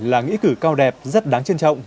là nghĩa cử cao đẹp rất đáng trân trọng